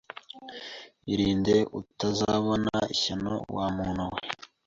Irinde utazabona ishyano wa muntu we